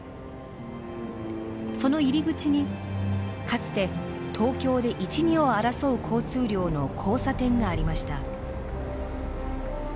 その入り口にかつて東京で一二を争う交通量の交差点がありました。